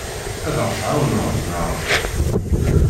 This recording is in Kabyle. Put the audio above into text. Ad aɣ-tɛawneḍ, naɣ?